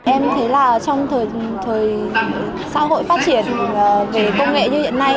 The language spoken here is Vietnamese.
em thấy là trong thời xã hội phát triển về công nghệ như hiện nay